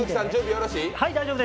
よろしい？